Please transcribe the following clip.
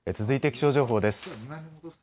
続いて気象情報です。